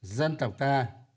dân tộc ta